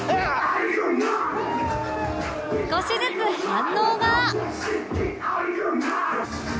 少しずつ反応が！